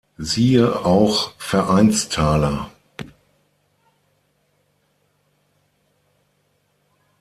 Siehe auch Vereinstaler.